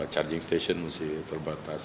charging station masih terbatas